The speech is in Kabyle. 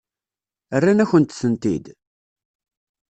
Rran-akent-tent-id?